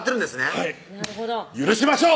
はい許しましょう！